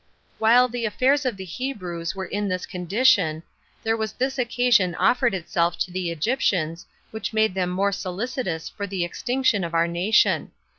2. While the affairs of the Hebrews were in this condition, there was this occasion offered itself to the Egyptians, which made them more solicitous for the extinction of our nation.